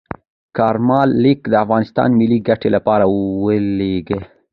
کارمل لیک د افغانستان ملي ګټې لپاره ولیږه.